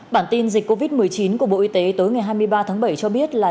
bản tin dịch covid một mươi chín của bộ y tế tối ngày hai mươi ba tháng bảy cho biết là